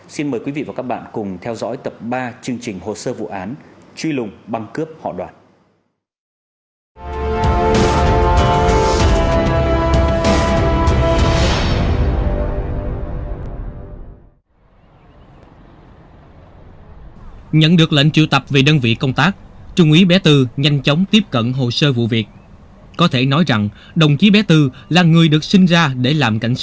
xin mời quý vị và các bạn cùng theo dõi tập ba chương trình hồ sơ vụ án truy lùng băng cướp họ đoàn